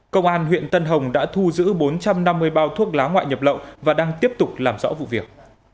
công an huyện tân hồng đã thu giữ bốn trăm năm mươi bao thuốc lá ngoại nhập lậu và đang tiếp tục làm rõ vụ việc